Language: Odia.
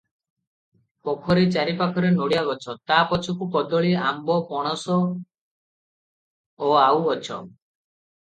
ପୋଖରୀ ଚାରିପାଖରେ ନଡ଼ିଆ ଗଛ, ତା ପଛକୁ କଦଳୀ, ଆମ୍ବ, ପଣସ, ଓଆଉ ଗଛ ।